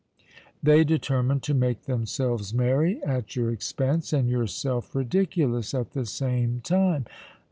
"They determined to make themselves merry at your expense, and yourself ridiculous at the same time."